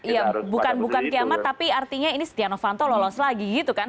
ya bukan bukan kiamat tapi artinya ini setia novanto lolos lagi gitu kan